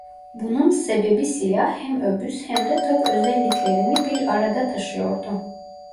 Bunun sebebi silah hem obüs hem de top özelliklerini bir arada taşıyordu.